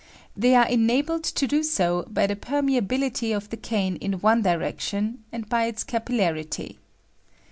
They are enabled to do so by the permeability of the cane in one direction, and by its capil larity.